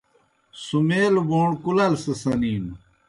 سُمَیلوْ بوݨ کُلال سہ سنِینوْ۔